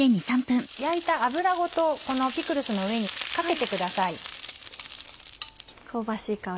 焼いた脂ごとこのピクルスの上にかけてください。